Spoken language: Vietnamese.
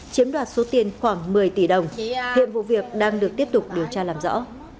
chiếm đoạt số tiền khoảng một mươi tỷ đồng hiện vụ việc đang được tiếp tục điều tra làm rõ